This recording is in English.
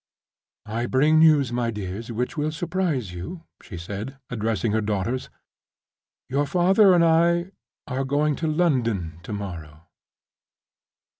"I bring news, my dears, which will surprise you," she said, addressing her daughters. "Your father and I are going to London to morrow."